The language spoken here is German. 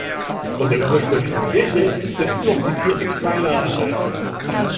Von der ursprünglichen Kirche sind nur noch die vier Eckpfeiler erhalten.